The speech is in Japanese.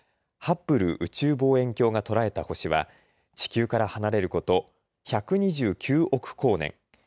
ハッブル宇宙望遠鏡が捉えた星は地球から離れること１２９億光年。